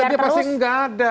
kalau katanya pasti gak ada